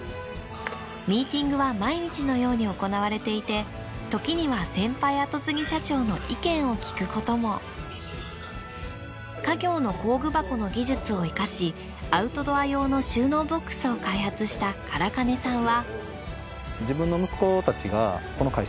ミーティングは毎日のように行われていてときには家業の工具箱の技術を生かしアウトドア用の収納ボックスを開発した唐金さんは。